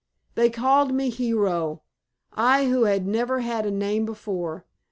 They called me "Hero," I who had never had a name before!